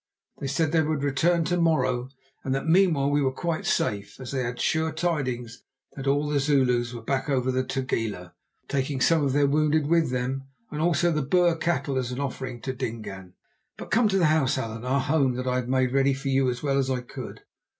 They said they would return to morrow, and that meanwhile we were quite safe, as they had sure tidings that all the Zulus were back over the Tugela, taking some of their wounded with them, and also the Boer cattle as an offering to Dingaan. But come to the house, Allan—our home that I had made ready for you as well as I could.